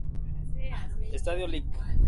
Estadio Lic.